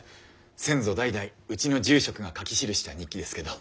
先祖代々うちの住職が書き記した日記ですけど。